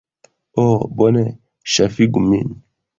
Oh bone! Ŝafigu min.